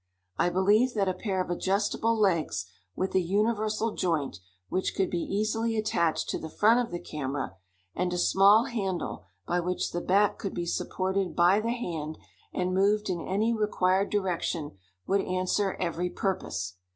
I believe that a pair of adjustable legs, with a universal joint which could be easily attached to the front of the camera, and a small handle by which the back could be supported by the hand and moved in any required direction, would answer every purpose.